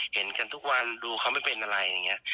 เห็นกันทุกวันดูเขาไม่เป็นอะไรอย่างนี้